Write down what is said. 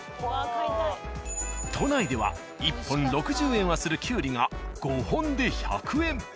都内では１本６０円はするキュウリが５本で１００円。